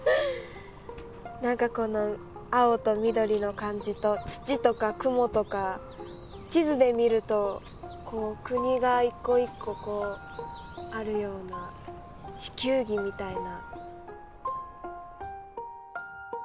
何かこの青と緑の感じと土とか雲とか地図で見るとこう国が一個一個あるような地球儀みたいな。